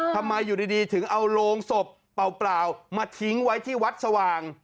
ทำไมอยู่ดีถึงเอาโรงศพเปล่ามาทิ้งไว้ที่วัดสว่าง